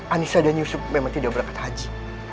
anissa dan yusuf memang tidak berangkat haji